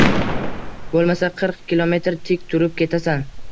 Boʻlmasa qirq kilometr tik turib ketasan.